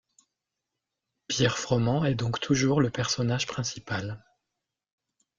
Pierre Froment est donc toujours le personnage principal.